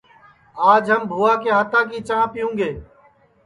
آج ہم بھوا کے ہاتا کی چاں پیوں گے